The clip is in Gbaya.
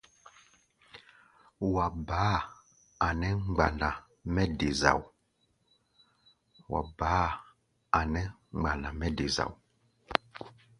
Wa baá a nɛ mgbánda mɛ́ de zao.